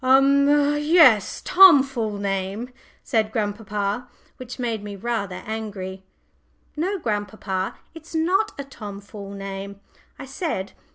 "Umph! yes Tom fool name!" said grandpapa, which made me rather angry. "No, grandpapa, it's not a Tom fool name," I said.